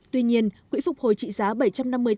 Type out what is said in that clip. tuy nhiên quỹ phục hồi trị giá bảy triệu đô la